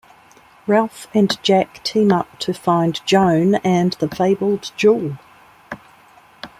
Ralph and Jack team up to find Joan and the fabled jewel.